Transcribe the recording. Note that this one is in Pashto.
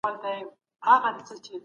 تخصص په علمي کارونو کې یوه اړتیا ده.